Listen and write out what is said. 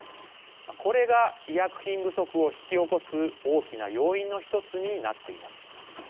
これが、医薬品不足を引き起こす大きな要因の１つになっています。